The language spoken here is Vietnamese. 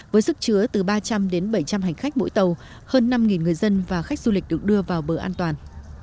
với sức chứa từ ba trăm linh đến bảy trăm linh hành khách mỗi tàu hơn năm người dân và khách du lịch được đưa vào bờ an toàn